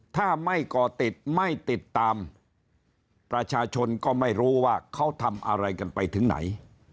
ถ้าไม่ก่อติดไม่ติดตามประชาชนก็ไม่รู้ว่าเขาทำอะไรกันไปถึงไหน